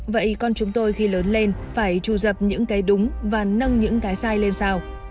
vậy con chúng tôi khi lớn lên phải trù dập những cái đúng và nâng những cái sai lên sao